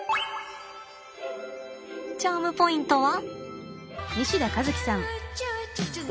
チャームポイントは？